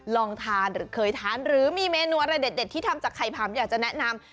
ลองทานหรือเคยทานหรือมีเมนูอะไรเด็ดที่ทำจากไข่ผำอยากจะแนะนำ